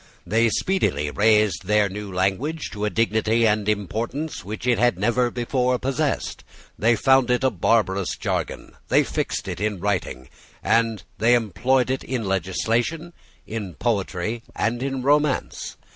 They speedily raised their new language to a dignity and importance which it had never before possessed. They found it a barbarous jargon; they fixed it in writing; and they employed it in legislation, in poetry, and in romance.